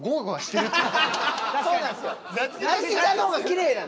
そうなんですよ。